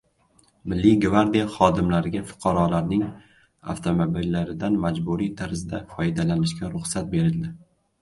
Milliy gvardiya xodimlariga fuqarolarning avtomobillaridan majburiy tarzda foydalanishga ruxsat berildi